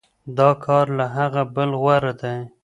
دا کار له هغه بل غوره دی.